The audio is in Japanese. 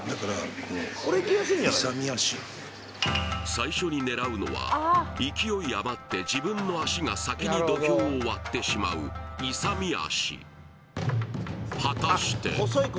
最初に狙うのは勢いあまって自分の足が先に土俵を割ってしまう勇み足果たして？